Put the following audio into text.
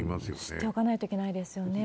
知っておかないといけないですよね。